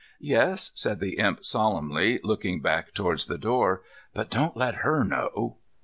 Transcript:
"Yes," said the Imp solemnly, looking back towards the door, "but don't let her know."